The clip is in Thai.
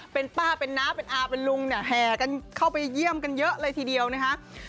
เป็นป้าเป็นน้าเป็นอาเป็นลุงเนี่ยแห่กันเข้าไปเยี่ยมกันเยอะเลยทีเดียวนะคะ